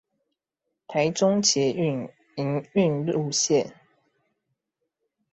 臺中捷運營運路線